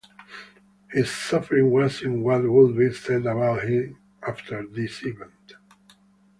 His suffering was in what would be said about him after this event.